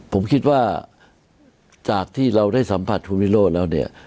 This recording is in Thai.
ผมคิดว่าจากที่เราได้สัมผัสคุณวิโรธแล้วเนี่ย